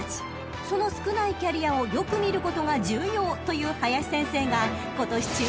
［その少ないキャリアをよく見ることが重要という林先生が今年注目した馬は］